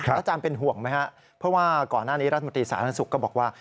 อาจารย์เป็นห่วงไหมครับเพราะว่าก่อนหน้านี้รัฐมนตรีสาธารณสุขก็บอกว่า